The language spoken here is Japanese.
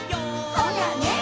「ほらね」